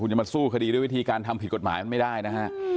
จะมาสู้คดีด้วยวิธีการทำผิดกฎหมายมันไม่ได้นะฮะ